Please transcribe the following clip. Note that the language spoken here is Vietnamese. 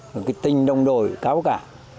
cái tình đồng đội cao cả